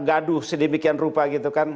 gaduh sedemikian rupa gitu kan